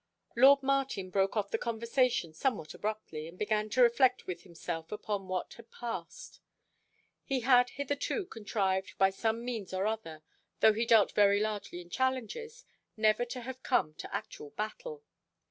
Lord Martin broke off the conversation somewhat abruptly, and began to reflect with himself upon what had passed. He had hitherto contrived, by some means or other, though he dealt very largely in challenges, never to have come to actual battle.